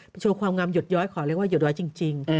โชว์ความงามหยดย้อยขอเรียกว่าหยดย้อยจริง